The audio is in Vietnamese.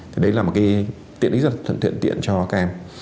thì đấy là một cái tiện ít thuận tuyện cho các em